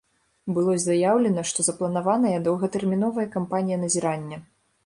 Было заяўлена, што запланаваная доўгатэрміновая кампанія назірання.